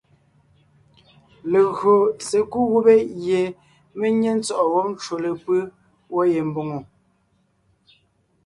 Legÿo sekúd gubé gie mé nyé ntsɔ̂ʼɔ wɔ́b ncwò lepʉ́ gwɔ̂ ye mbòŋo,